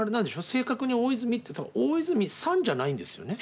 正確に大泉って「大泉さん」じゃないんですよね？